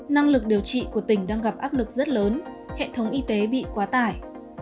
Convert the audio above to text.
năng lực điều trị của tỉnh đang gặp áp lực rất lớn hệ thống y tế bị quá tải